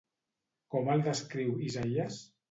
Com el descriu Isaïes?